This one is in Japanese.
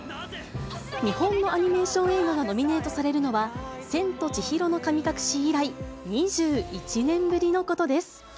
日本のアニメーション映画がノミネートされるのは、千と千尋の神隠し以来、２１年ぶりのことです。